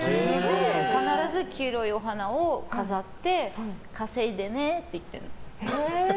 必ず黄色いお花を飾って稼いでねって言ってるの。